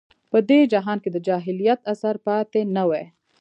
په دې جهان کې د جاهلیت اثر پاتې نه وي.